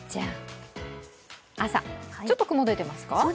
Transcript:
朝、ちょっと雲が出ていますか？